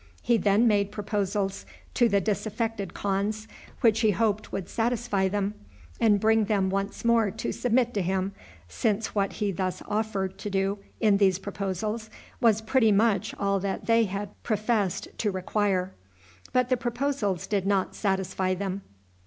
He then made proposals to the disaffected khans, which he hoped would satisfy them, and bring them once more to submit to him, since what he thus offered to do in these proposals was pretty much all that they had professed to require. But the proposals did not satisfy them.